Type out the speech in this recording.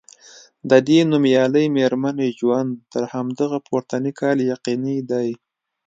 د دې نومیالۍ میرمنې ژوند تر همدغه پورتني کال یقیني دی.